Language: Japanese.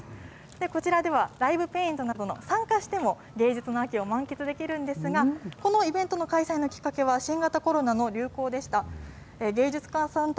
こちらでは、ライブペイントなどの、参加しても芸術の秋を満喫できるんですが、このイベントの開催のきっかけは、新型コロナの流行でした。